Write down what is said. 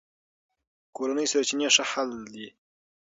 کورني سرچینې ښه حل دي.